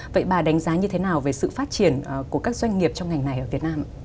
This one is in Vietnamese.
vậy bà đánh giá như thế nào về sự phát triển của các doanh nghiệp trong ngành này ở việt nam ạ